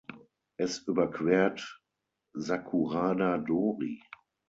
Es überquert Sakurada Dori.